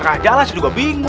kaya jalan sih juga binget